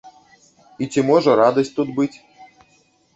І ці можа радасць тут быць?